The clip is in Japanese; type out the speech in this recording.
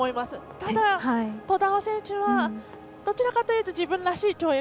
ただ、兎澤選手はどちらかというと自分らしい跳躍。